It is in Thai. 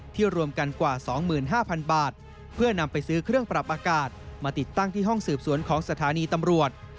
รวมกันกว่า๒๕๐๐๐บาทเพื่อนำไปซื้อเครื่องปรับอากาศมาติดตั้งที่ห้องสืบสวนของสถานีตำรวจ